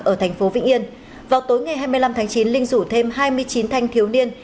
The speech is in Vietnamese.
ở thành phố vĩnh yên vào tối ngày hai mươi năm tháng chín linh rủ thêm hai mươi chín thanh thiếu niên